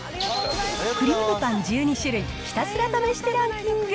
クリームパン１２種類ひたすら試してランキング。